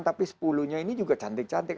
tapi sepuluh nya ini juga cantik cantik